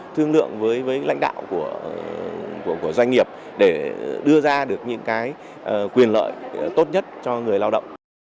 thương lượng với lãnh đạo của doanh nghiệp để đưa ra được những quyền lợi tốt nhất cho người lao động